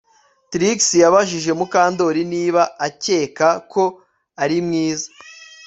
Trix yabajije Mukandoli niba akeka ko ari mwiza